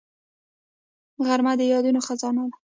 غرمه د یادونو خزانه ده